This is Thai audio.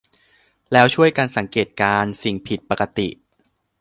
แล้วช่วยกันสังเกตการณ์สิ่งผิดปกติ